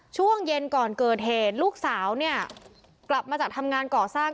ช่วงเย็นก่อนเกิดเหตุลูกสาวเนี่ยกลับมาจากทำงานก่อสร้าง